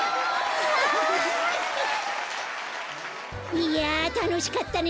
いやたのしかったね。